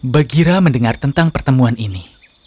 bagira mendengar tentang pertemuan ini